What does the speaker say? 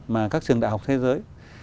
mà các trường đại học thế giới